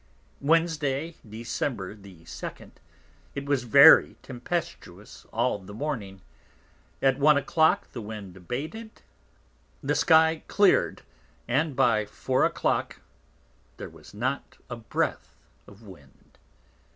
Wednesday, Dec. the 2_d._ it was very tempestuous all the Morning; at One a Clock the Wind abated, the Sky clear'd, and by Four a Clock there was not a Breath of Wind.